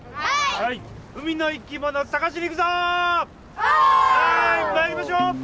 はい参りましょう。